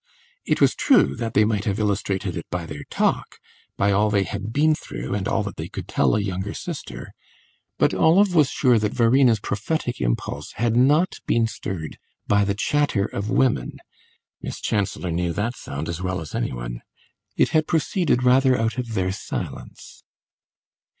It was true that they might have illustrated it by their talk, by all they had "been through" and all they could tell a younger sister; but Olive was sure that Verena's prophetic impulse had not been stirred by the chatter of women (Miss Chancellor knew that sound as well as any one); it had proceeded rather out of their silence.